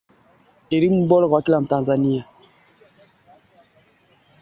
Omdurman na mwingine mjini Khartoum madaktari wanaounga mkono jamuhuri ya Kidemokrasia ya Kongo